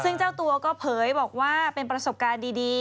ซึ่งเจ้าตัวก็เผยบอกว่าเป็นประสบการณ์ดี